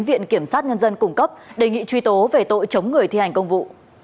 viện kiểm sát nhân dân cung cấp đề nghị truy tố về tội chống người thi hành công vụ